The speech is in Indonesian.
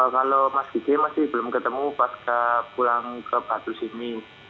kalau mas vicky masih belum ketemu pasca pulang ke batu simi